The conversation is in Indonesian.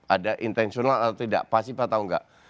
ada intensional atau tidak pasif atau enggak